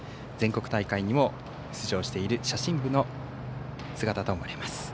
全国大会にも出場している写真部の姿と思われます。